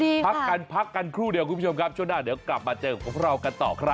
พักกันพักกันครู่เดียวคุณผู้ชมครับช่วงหน้าเดี๋ยวกลับมาเจอพวกเรากันต่อครับ